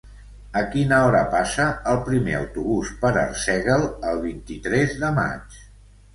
A quina hora passa el primer autobús per Arsèguel el vint-i-tres de maig?